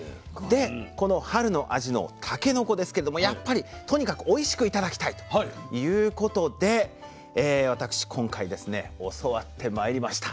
でこの春の味のたけのこですけれどもやっぱりとにかくおいしく頂きたいということで私今回教わってまいりました。